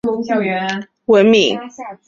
谥号文敏。